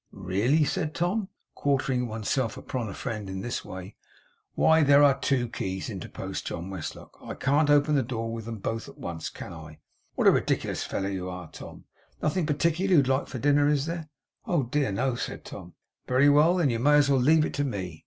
'Really,' said Tom, 'quartering one's self upon a friend in this way ' 'Why, there are two keys,' interposed John Westlock. 'I can't open the door with them both at once, can I? What a ridiculous fellow you are, Tom? Nothing particular you'd like for dinner, is there?' 'Oh dear no,' said Tom. 'Very well, then you may as well leave it to me.